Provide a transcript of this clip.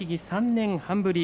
３年半ぶり。